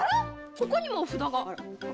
ここにもお札が？